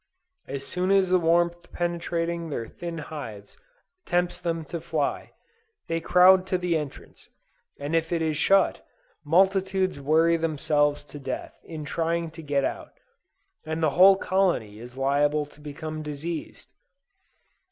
As soon as the warmth penetrating their thin hives tempts them to fly, they crowd to the entrance, and if it is shut, multitudes worry themselves to death in trying to get out, and the whole colony is liable to become diseased.